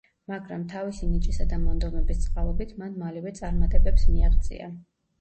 მაგრამ თავისი ნიჭისა და მონდომების წყალობით მან მალევე წარმატებებს მიაღწია.